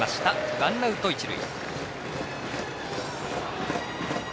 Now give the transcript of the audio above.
ワンアウト、一塁。